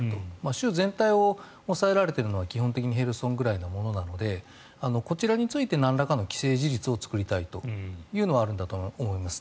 州全体を押さえられているのは基本的にヘルソンぐらいなのでこちらについてなんらかの既成事実を作りたいというのはあるんだと思います。